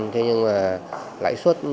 thế nhưng mà lãi suất